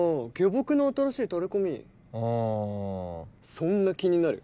そんな気になる？